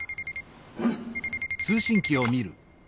うん？